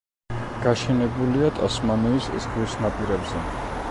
გაშენებულია ტასმანიის ზღვის ნაპირებზე.